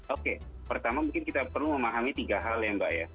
oke pertama mungkin kita perlu memahami tiga hal ya mbak ya